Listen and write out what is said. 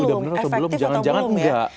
udah bener atau belum jangan jangan enggak